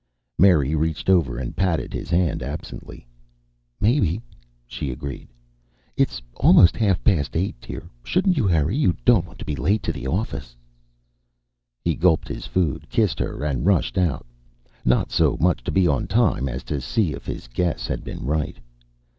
Mary reached over and patted his hand absently. "Maybe," she agreed. "It's almost half past eight, dear. Shouldn't you hurry? You don't want to be late to the office." He gulped his food, kissed her and rushed out not so much to be on time as to see if his guess had been right.